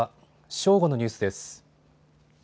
正午のニュースです。